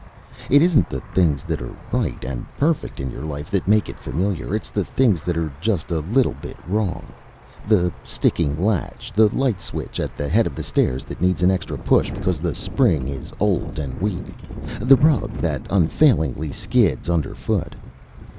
It isn't the things that are right and perfect in your life that make it familiar. It is the things that are just a little bit wrong the sticking latch, the light switch at the head of the stairs that needs an extra push because the spring is old and weak, the rug that unfailingly skids underfoot.